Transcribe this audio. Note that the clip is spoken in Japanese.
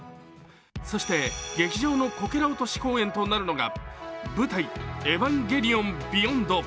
そして、劇場のこけら落とし公演となるのが「舞台・エヴァンゲリオンビヨンド」